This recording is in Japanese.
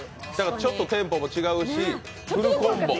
ちょっとテンポも違うしフルコンボ。